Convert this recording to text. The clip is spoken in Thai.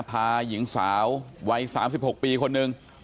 พาหญิงสาววัย๓๖ปีคนหนึ่ง